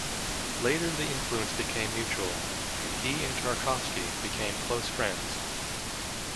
Later the influence became mutual, and he and Tarkovsky became close friends.